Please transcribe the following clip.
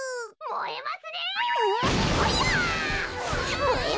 もえますねえ！